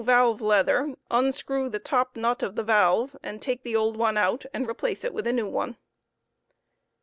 valve leather, unscrew the top nrit of the valve and take the old one out and replace it with a new one.